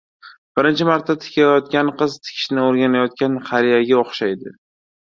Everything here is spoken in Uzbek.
• Birinchi marta tikayotgan qiz tikishni o‘rganayotgan qariyaga o‘xshaydi.